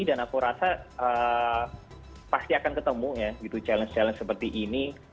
dan aku rasa pasti akan ketemu ya challenge challenge seperti ini